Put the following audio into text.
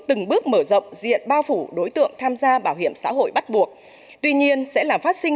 từng bước mở rộng diện bao phủ đối tượng tham gia bảo hiểm xã hội bắt buộc tuy nhiên sẽ làm phát sinh